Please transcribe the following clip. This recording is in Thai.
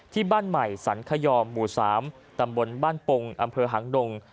ที่บ้านใหม่สรรคยอมหมู่๓ตำบลบ้านปงอำเภอหางดง